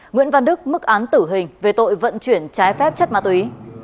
nguyễn văn đức mức án tử hình về tội vận chuyển trái phép chất ma túy